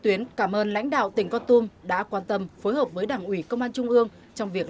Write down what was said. tuyến cảm ơn lãnh đạo tỉnh con tum đã quan tâm phối hợp với đảng ủy công an trung ương trong việc